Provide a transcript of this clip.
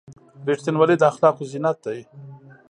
• رښتینولي د اخلاقو زینت دی.